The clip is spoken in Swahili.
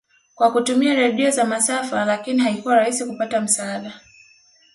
kwa kutumia radio za masafa lakini haikuwa rahisi kupata msaada